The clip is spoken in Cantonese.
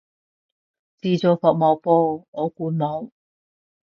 自助服務噃，我估冇